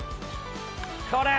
これ！